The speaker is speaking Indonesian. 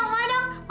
eh teh teh